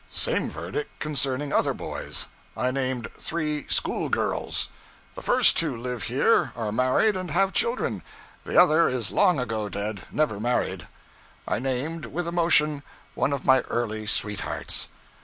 Same verdict concerning other boys. I named three school girls. 'The first two live here, are married and have children; the other is long ago dead never married.' I named, with emotion, one of my early sweethearts.